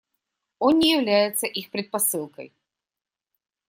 Он не является их предпосылкой.